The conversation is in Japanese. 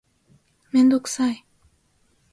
めんどくさい